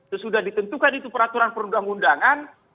sesudah ditentukan itu peraturan perundang undangan